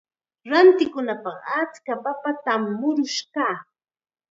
Rantikunapaq achka papatam murush kaa.